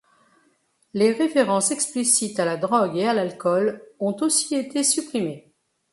Les références explicites à la drogue et à l’alcool ont aussi été supprimées.